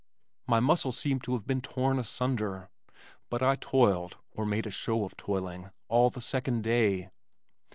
My muscles seemed to have been torn asunder, but I toiled (or made a show of toiling) all the second day.